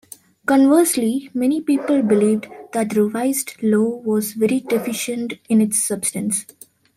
Conversely, many people believed that the revised law was very deficient in its substance.